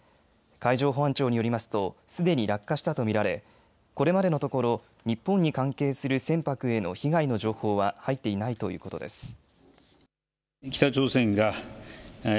海上保安庁によりますとすでに落下したと見られこれまでのところ日本に関係する船舶への被害の情報は入っていないということです。